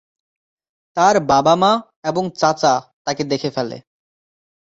তার বাবা-মা এবং চাচা তাকে দেখে ফেলে।